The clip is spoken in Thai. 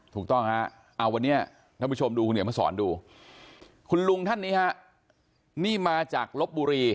ถูกต้องฮะเอาวันนี้ท่านผู้ชมดูคุณเหนียวมาสอนดูคุณลุงท่านนี้ฮะนี่มาจากลบบุรี